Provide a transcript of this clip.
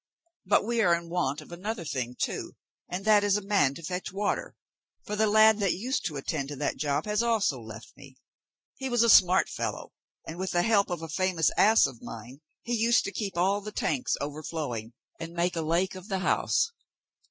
"But we are in want of another thing, too, and that is a man to fetch water, for the lad that used to attend to that job has also left me. He was a smart fellow, and with the help of a famous ass of mine he used to keep all the tanks overflowing, and make a lake of the house.